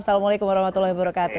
assalamualaikum warahmatullahi wabarakatuh